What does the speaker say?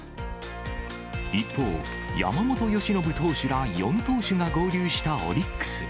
一方、山本由伸投手ら４投手が合流したオリックス。